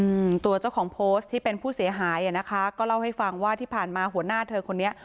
อืมตัวเจ้าของโพสต์ที่เป็นผู้เสียหายอ่ะนะคะก็เล่าให้ฟังว่าที่ผ่านมาหัวหน้าเธอคนนี้